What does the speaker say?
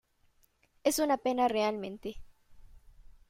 Es una pena realmente".